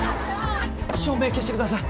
照明消してください！